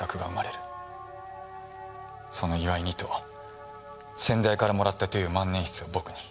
その祝いにと先代からもらったという万年筆を僕に。